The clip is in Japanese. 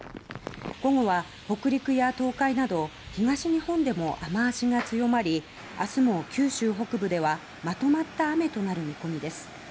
午後は北陸や東海など東日本でも雨脚が強まり明日も九州北部ではまとまった雨となる見込みです。